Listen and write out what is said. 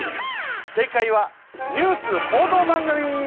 正かいはニュース報道番組！